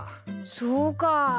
そうかあ。